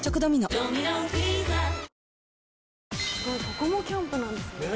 ・ここもキャンプなんですね。